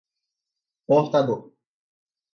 portador